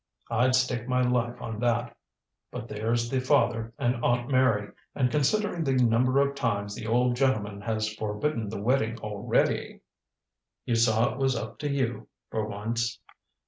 I'd stake my life on that. But there's the father and Aunt Mary and considering the number of times the old gentleman has forbidden the wedding already " "You saw it was up to you, for once."